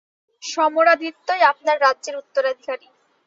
সমরাদিত্যই আপনার রাজ্যের উত্তরাধিকারী।